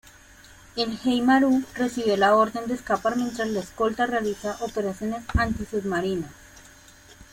El "Hei Maru" recibió la orden de escapar mientras la escolta realiza operaciones antisubmarinas.